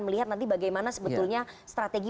melihat nanti bagaimana sebetulnya strategi